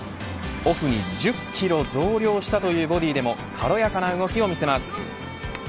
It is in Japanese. オフに１０キロ増量したというボディでも軽やかな動きを見せます。